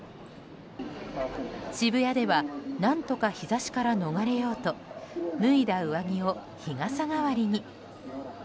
渋谷では何とか日差しから逃れようと脱いだ上着を日傘代わりに。